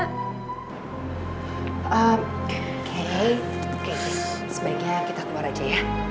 kayaknya kita keluar aja ya